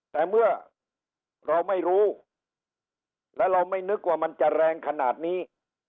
แต่เมื่อเราไม่รู้และเราไม่นึกว่ามันจะแรงขนาดนี้